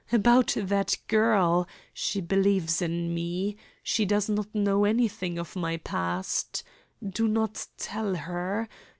About that girl! She believes in me. She does not know anything of my past. Do not tell her.